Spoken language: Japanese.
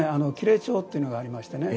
裂帳っていうのがありましてね